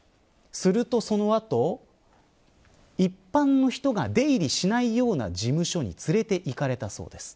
すると、その後一般の人が出入りしないような事務所に連れて行かれたそうです。